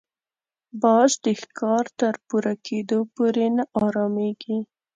باز د ښکار تر پوره کېدو پورې نه اراميږي